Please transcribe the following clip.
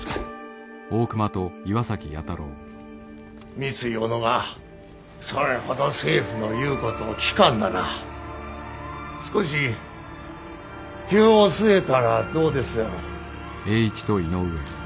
三井小野がそれほど政府の言うことを聞かんなら少し灸を据えたらどうですやろう？